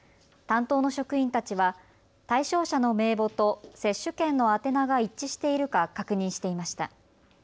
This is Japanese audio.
担当の職員たちは対象者の名簿と接種券の宛名が一致しているか確認していました。